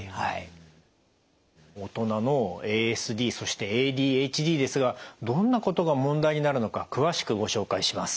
大人のＡＳＤそしてＡＤＨＤですがどんなことが問題になるのか詳しくご紹介します。